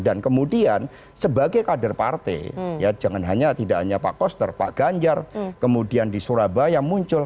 dan kemudian sebagai kader partai jangan hanya pak koster pak ganjar kemudian di surabaya muncul